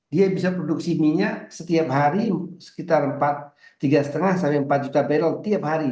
dia bisa produksi minyak setiap hari sekitar tiga lima sampai empat juta barrel tiap hari